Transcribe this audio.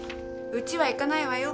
うちは行かないわよ。